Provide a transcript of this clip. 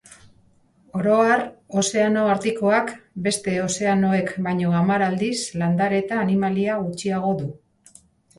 Oro har, Ozeano Artikoak beste ozeanoek baino hamar aldiz landare eta animalia gutxiago du.